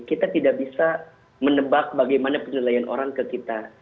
kita tidak bisa menebak bagaimana penilaian orang ke kita